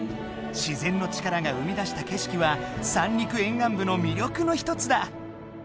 自然の力が生み出した景色は三陸沿岸部の魅力の一つだ！